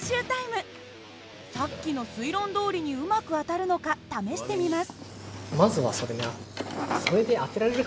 さっきの推論どおりにうまく当たるのか試してみます。